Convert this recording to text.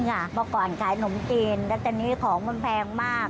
แล้วในนี้ของมันแพงมาก